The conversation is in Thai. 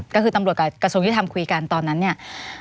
ก็คือตำรวจกับสงฆิธรรมคุยกันตอนนั้นเนี่ย